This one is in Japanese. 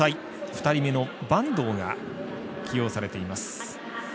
２人目の板東が起用されています。